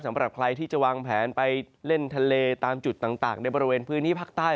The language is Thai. สำหรับใครที่จะวางแผนไปเล่นทะเลตามจุดต่างในบริเวณพื้นที่ภาคใต้